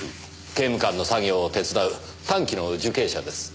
刑務官の作業を手伝う短期の受刑者です。